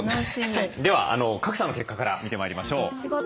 では賀来さんの結果から見てまいりましょう。